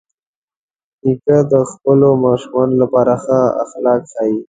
نیکه د خپلو ماشومانو لپاره ښه اخلاق ښيي.